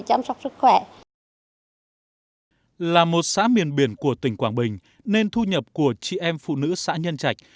là một xã miền biển của tỉnh quảng bình nên thu nhập của chị em phụ nữ xã nhân trạch